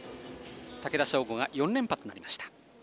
竹田渉瑚が４連覇となりました。